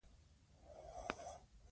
غازیانو به پردی ځواک ایستلی وي.